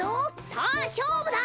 さあしょうぶだ。